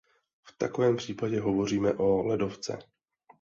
V takovém případě hovoříme o ledovce.